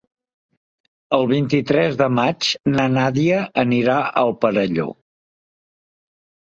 El vint-i-tres de maig na Nàdia anirà al Perelló.